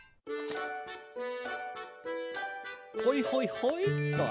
ほいほいほいっと。